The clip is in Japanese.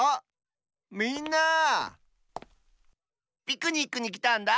ピクニックにきたんだ。